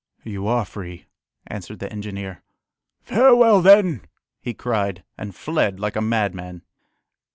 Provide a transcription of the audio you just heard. "You are free," answered the engineer. "Farewell then!" he cried, and fled like a madman.